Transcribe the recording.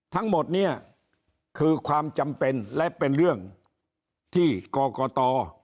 ทั้งหมดเนี่ยคือความจำเป็นและเป็นเรื่องที่กรกต